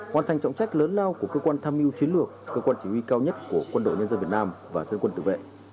hoàn thành trọng trách lớn lao của cơ quan tham mưu chiến lược cơ quan chỉ huy cao nhất của quân đội nhân dân việt nam và dân quân tự vệ